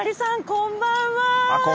こんばんは。